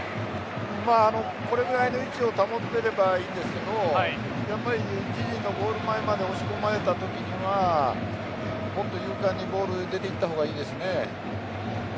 これぐらいの位置を保っていればいいんですけどやっぱり自陣のゴール前まで押し込まれた時にはもっと勇敢にボールに出ていったほうがいいですね。